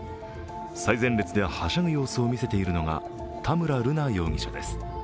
最前列で、はしゃぐ様子を見せているのが田村瑠奈容疑者です。